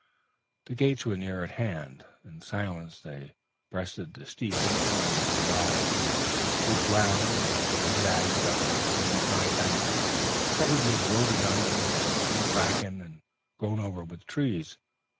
The gates were near at hand; in silence they breasted the steep incline of the drive, which wound and zigzagged up between high banks covered with rhododendron and bracken, and grown over with trees.